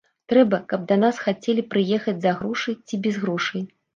Трэба, каб да нас хацелі прыехаць за грошы ці без грошай.